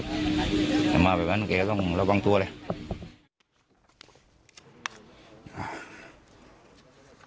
จะมาเป็นครั้งนั้นเขาต้องระวังตัวเลย